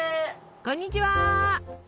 こんにちは。